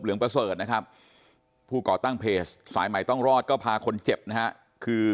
ประเสริฐนะครับผู้ก่อตั้งเพจสายใหม่ต้องรอดก็พาคนเจ็บนะฮะคือ